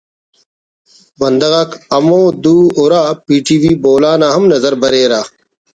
بندغ آک ہمو دو ہرا پی ٹی وی بولان آ ہم نظر بریرہ